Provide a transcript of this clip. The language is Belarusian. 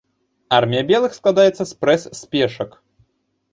Армія белых складаецца спрэс з пешак.